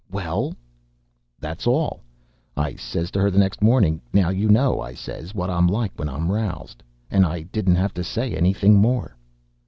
"Well?" "That's all. I says to 'er the next morning, 'Now you know,' I says, 'what I'm like when I'm roused.' And I didn't have to say anything more."